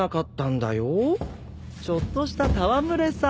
ちょっとした戯れさ。